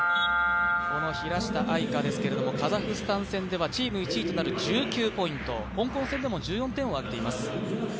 平下愛佳ですけど、カザフスタン戦ではチーム１位となる１９ポイント、香港戦でも１４点を挙げています。